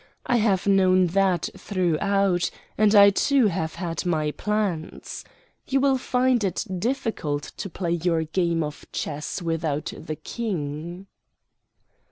I have known that throughout, and I too have had my plans. You will find it difficult to play your game of chess without the King."